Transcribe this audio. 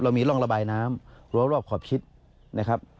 เรามีร่องระบายน้ำรวบขอบคิดนะครับ